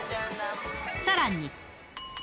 さらに。